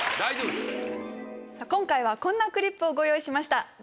今回はこんなクリップをご用意しました。